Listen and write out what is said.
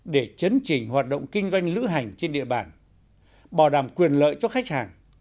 để chấn chỉnh hoạt động kinh doanh lữ hành trên địa bàn bảo đảm quyền lợi cho khách hàng